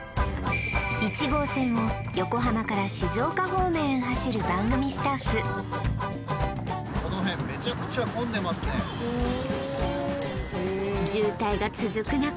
１号線を横浜から静岡方面へ走る番組スタッフ渋滞が続く中